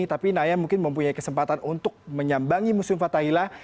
tapi naya mungkin mempunyai kesempatan untuk menyambangi museum fathahila